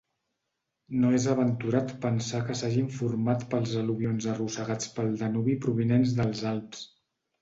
No és aventurat pensar que s'hagin format pels al·luvions arrossegats pel Danubi provinents dels Alps.